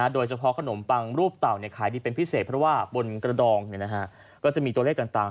โดยเฉพาะขนมปังรูปเต่าขายดีเป็นพิเศษเพราะว่าบนกระดองก็จะมีตัวเลขต่าง